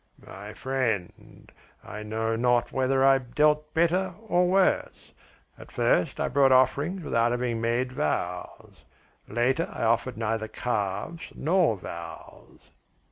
"My friend, I know not whether I dealt better or worse. At first I brought offerings without having made vows. Later I offered neither calves nor vows."